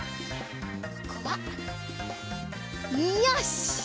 ここはよし！